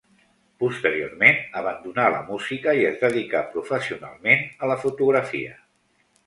Posteriorment, abandonà la música i es dedicà professionalment a la fotografia.